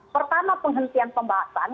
pertama penghentian pembahasan